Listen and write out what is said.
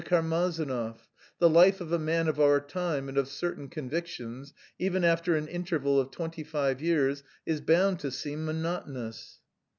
Karmazinov,_ the life of a man of our time and of certain convictions, even after an interval of twenty five years, is bound to seem monotonous..."